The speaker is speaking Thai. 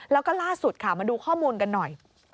แล้วก็ล่าสุดค่ะมาดูข้อมูลกันหน่อย